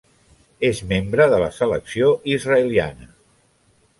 És membre de la selecció israeliana.